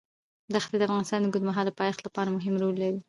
دښتې د افغانستان د اوږدمهاله پایښت لپاره مهم رول لري.